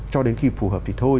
cho đến khi phù hợp thì thôi